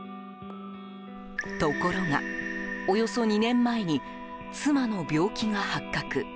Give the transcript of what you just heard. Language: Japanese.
ところが、およそ２年前に妻の病気が発覚。